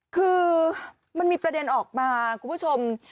คือมันมีประเด็นออกมาคุณผู้ชม